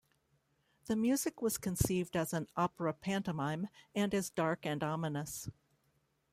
The music was conceived as an opera pantomime, and is dark and ominous.